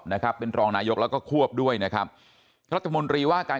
นะครับเป็นรองนายกแล้วก็ควบด้วยนะครับรัฐมนตรีว่าการ